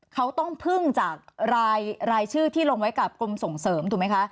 เขาต้องพึ่งจากรายชื่อที่ลงไว้กับกรมส่งเสริมถูกไหมคะ